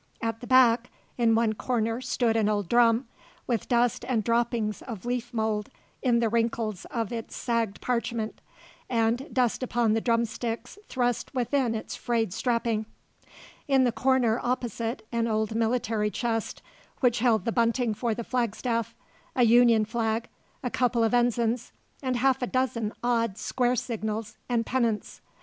At the back, in one corner stood an old drum, with dust and droppings of leaf mould in the wrinkles of its sagged parchment, and dust upon the drumsticks thrust within its frayed strapping; in the corner opposite an old military chest which held the bunting for the flagstaff a Union flag, a couple of ensigns, and half a dozen odd square signals and pennants.